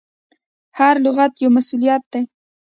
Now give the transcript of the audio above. هر لغت یو مسؤلیت دی.